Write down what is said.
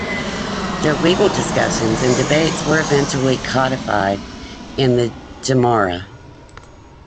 Their legal discussions and debates were eventually codified in the Gemara.